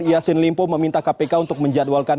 yassin limpo meminta kpk untuk menjadwalkan